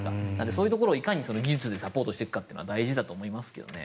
そういうところをいかに技術でサポートしていくかっていうのは大事だと思いますけどね。